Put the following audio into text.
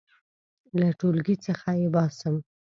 • له ټولګي څخه یې باسم.